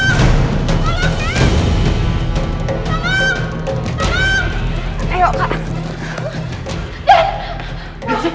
saya diserut serut tadi